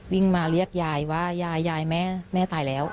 วิ่งมาเรียกยายว่ายายยายแม่แม่ตายแล้ว